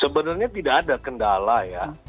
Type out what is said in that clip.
sebenarnya tidak ada kendala ya